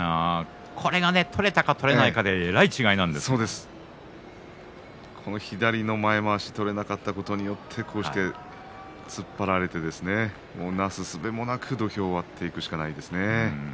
これが取れたか取れないか左の前まわし取れなかったことによってこうして突っ張られてなすすべもなく土俵を割っていくしかないですね。